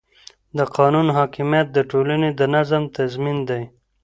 د قانون حاکمیت د ټولنې د نظم تضمین دی